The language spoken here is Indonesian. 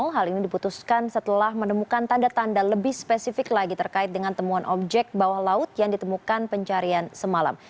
hal ini diputuskan setelah menemukan tanda tanda lebih spesifik lagi terkait dengan temuan objek bawah laut yang ditemukan pencarian semalam